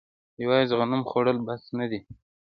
یوازې غنم خوړل بس نه دي.